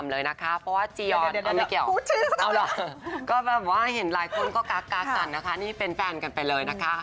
แล้วพี่จะให้คำนิยำเลยนะคะ